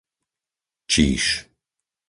Číž